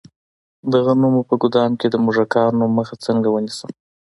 د غنمو په ګدام کې د موږکانو مخه څنګه ونیسم؟